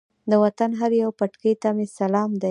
د وطن هر یوه پټکي ته مې سلام دی.